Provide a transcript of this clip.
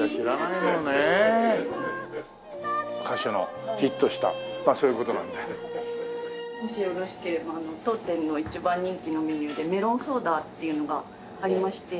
もしよろしければ当店の一番人気のメニューでメロンソーダっていうのがありまして。